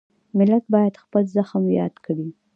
ملت باید خپل زخم یاد کړي.